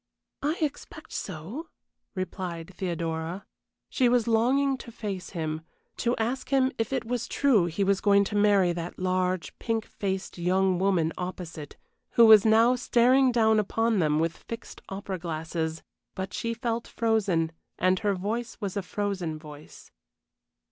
"I expect so," replied Theodora. She was longing to face him, to ask him if it was true he was going to marry that large, pink faced young woman opposite, who was now staring down upon them with fixed opera glasses; but she felt frozen, and her voice was a frozen voice.